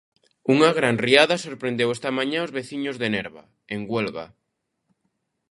Unha gran riada sorprendeu esta mañá os veciños de Nerva, en Huelva.